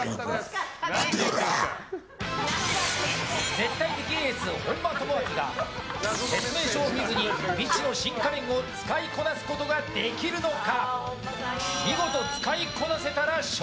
絶対的エース、本間朋晃が説明書を見ずに道の新家電を使いこなすことができるのか。